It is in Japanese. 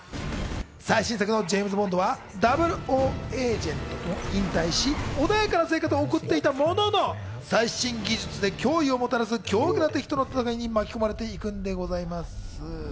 最新作のジェームズ・ボンドはダブルオーエージェントを引退し、穏やかな生活を送っていたものの最新技術で脅威をもたらす凶悪な敵との戦いに巻き込まれていくんでございます。